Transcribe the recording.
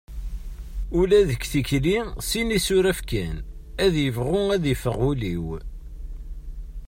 Ula d tikli sin isuraf kan ad yebɣu ad yeffeɣ wul-iw.